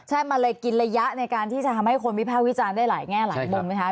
ใช่มันเลยกินระยะในการที่จะทำให้คนวิภาควิจารณ์ได้หลายแง่หลายมุมไหมคะ